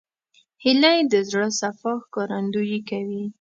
هیلۍ د زړه صفا ښکارندویي کوي